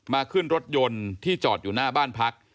ขึ้นรถยนต์ที่จอดอยู่หน้าบ้านพัก